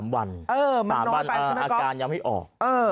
๓วัน๓วันอาการยังไม่ออก